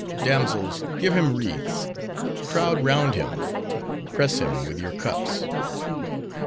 Damsels! give him wreaths; crowd round him; press him with your cups!"